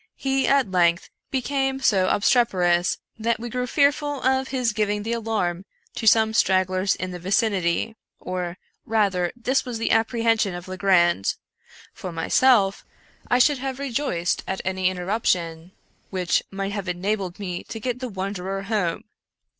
He, at length, became so obstreperous that we grew fearful of his giving the alarm to some stragglers in the vicinity, — or, rather, this was the apprehension of Legrand ;— for myself, I should have rejoiced at any interruption which 141 American Mystery Stories might have enabled me to get the wanderer home.